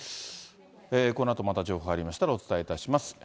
このあとまた情報入りましたら、お伝えいたします。